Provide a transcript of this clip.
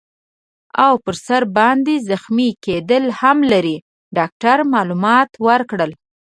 او پر سر باندي زخمي کیدل هم لري. ډاکټر معلومات ورکړل.